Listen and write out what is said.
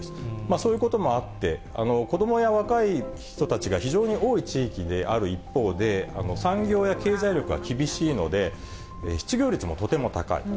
そういうこともあって、子どもや若い人たちが非常に多い地域である一方で、産業や経済力が厳しいので、失業率もとても高いと。